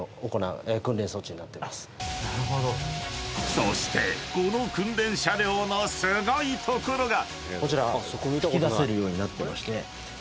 ［そしてこの訓練車両のすごいところが］こちら。